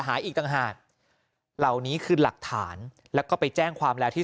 อีกต่างหากเหล่านี้คือหลักฐานแล้วก็ไปแจ้งความแล้วที่